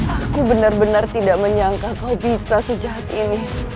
aku benar benar tidak menyangka kau bisa sejahat ini